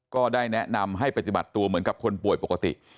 ก็ได้แนะนำให้ปฏิบัติตัวเหมือนกับคนป่วยปกติ